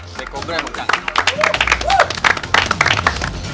dekogre emang canggih